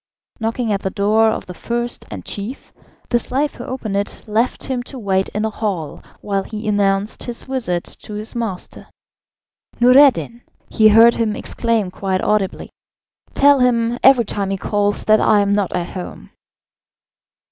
Knocking at the door of the first and chief, the slave who opened it left him to wait in a hall while he announced his visit to his master. "Noureddin!" he heard him exclaim quite audibly. "Tell him, every time he calls, that I am not at home."